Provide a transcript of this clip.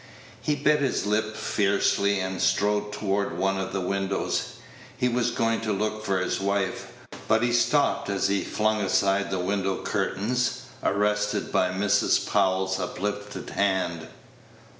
He bit his lip fiercely, and strode toward one of the windows. He was going to look for his wife; but he stopped as he flung aside the window curtain, arrested by Mrs. Powell's uplifted hand.